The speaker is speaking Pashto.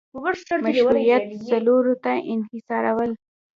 مشروعیت څلورو ته انحصارول